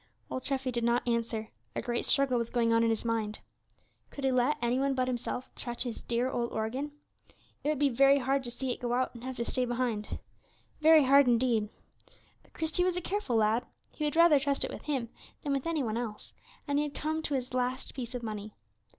Old Treffy did not answer; a great struggle was going on in his mind. Could he let any one but himself touch his dear old organ? It would be very hard to see it go out, and have to stay behind, very hard indeed. But Christie was a careful lad; he would rather trust it with him than with any one else; and he had come to his last piece of money.